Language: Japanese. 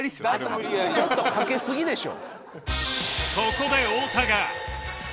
ちょっと掛けすぎでしょ。